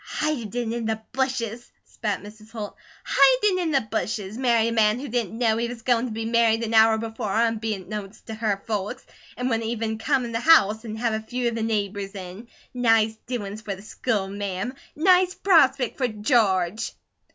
"Hidin' in the bushes!" spat Mrs. Holt. "Hidin' in the bushes! Marry a man who didn't know he was goin' to be married an hour before, unbeknownst to her folks, an' wouldn't even come in the house, an' have a few of the neighbours in. Nice doin's for the school ma'am! Nice prospect for George."